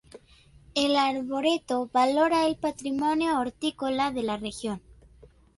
El arboreto valora el patrimonio hortícola de la región.